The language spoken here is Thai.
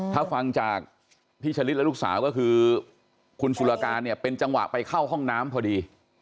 ถ้าฟังจากพี่ชะลิดและลูกสาวก็คือคุณสุรการเนี่ยเป็นจังหวะไปเข้าห้องน้ำพอดี